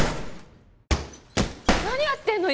何やってんの？